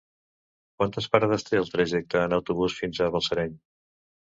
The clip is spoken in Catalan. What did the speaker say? Quantes parades té el trajecte en autobús fins a Balsareny?